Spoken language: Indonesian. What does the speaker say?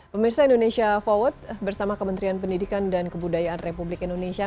pemirsa indonesia forward bersama kementerian pendidikan dan kebudayaan republik indonesia